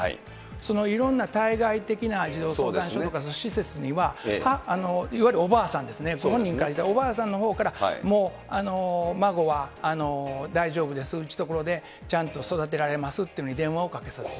そのいろんな対外的な児童相談所とか施設には、いわゆるおばあさんですね、ご本人からしたらおばあさんのほうが、もう、孫は大丈夫です、うちのところでちゃんと育てられますっていうのを電話をかけさせてる。